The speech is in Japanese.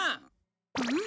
うん？